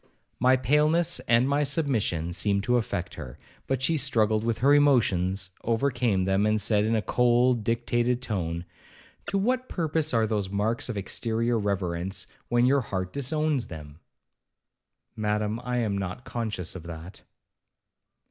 My paleness and my submission seemed to affect her,—but she struggled with her emotions, overcame them, and said in a cold dictated tone, 'To what purpose are those marks of exterior reverence, when your heart disowns them?' 'Madam, I am not conscious of that.'